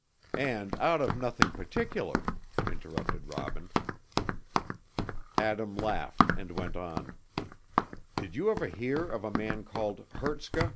"And out of nothing particular," interrupted Robin. Adam laughed and went on. "Did you ever hear of a man called Hertzka?